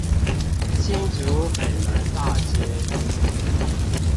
新竹北門大街